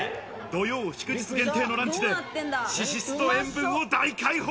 土曜・祝日限定のランチで脂質と塩分を大解放！